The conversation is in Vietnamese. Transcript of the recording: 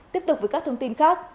tiếp tục với các thông tin khác